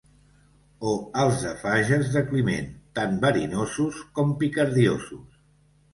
O els de Fages de Climent, tan verinosos com picardiosos.